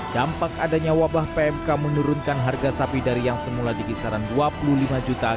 dampak adanya wabah pmk menurunkan harga sapi dari yang semula di kisaran dua puluh lima juta